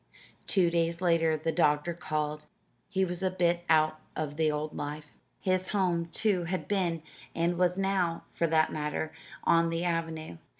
Two days later the doctor called. He was a bit out of the old life. His home, too, had been and was now, for that matter on the avenue.